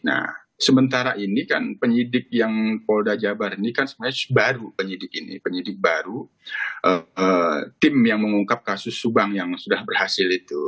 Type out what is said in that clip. nah sementara ini kan penyidik yang polda jabar ini kan sebenarnya baru penyidik ini penyidik baru tim yang mengungkap kasus subang yang sudah berhasil itu